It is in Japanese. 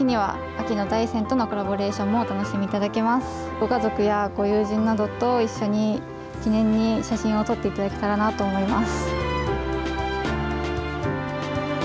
ご家族やご友人などと一緒に記念に写真を撮っていただけたらなと思います。